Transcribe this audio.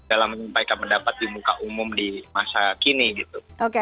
dalam menyampaikan pendapat di muka umum di masa kini gitu